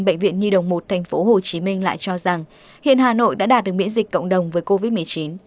bệnh viện nhi đồng một tp hcm lại cho rằng hiện hà nội đã đạt được miễn dịch cộng đồng với covid một mươi chín